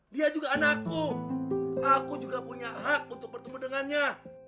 dia juga anakku aku juga punya hak untuk bertemu dengannya